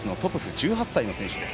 １８歳の選手です。